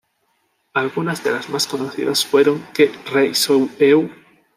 Algunas de las más conocidas fueron "Que Rei Sou Eu?